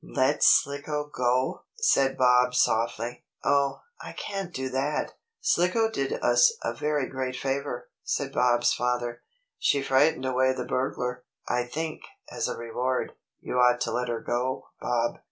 "Let Slicko go!" said Bob softly. "Oh, I can't do that!" "Slicko did us a very great favor," said Bob's father. "She frightened away the burglar. I think, as a reward, you ought to let her go, Bob."